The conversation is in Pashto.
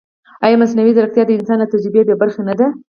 ایا مصنوعي ځیرکتیا د انسان له تجربې بېبرخې نه ده؟